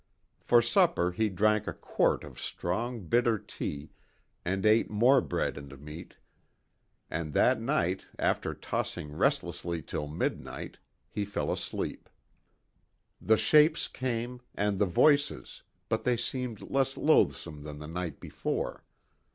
For supper he drank a quart of strong bitter tea, and ate more bread and meat, and that night, after tossing restlessly till midnight, he fell asleep. The shapes came, and the voices, but they seemed less loathsome than the night before.